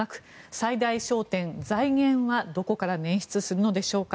最大焦点、財源はどこから捻出するのでしょうか。